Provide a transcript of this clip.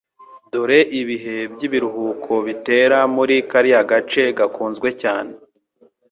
Dore ibihe byibiruhuko bitera muri kariya gace gakunzwe cyane